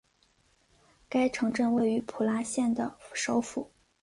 该城镇为普拉县的首府。